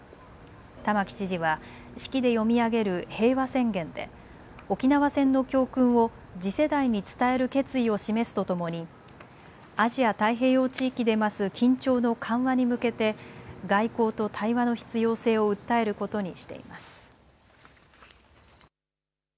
玉城知事は式で読み上げる平和宣言で沖縄戦の教訓を次世代に伝える決意を示すとともにアジア太平洋地域で増す緊張の緩和に向けて外交と対話の必要性を訴えることにしています。